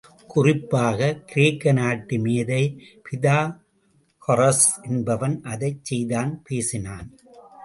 குறிப்பாக, கிரேக்க நாட்டு மேதை பிதாகொரஸ் என்பவன் அதைச் செய்தான் பேசினான்!